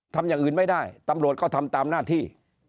ทำอย่างอื่นไม่ได้ตำรวจก็ทำตามหน้าที่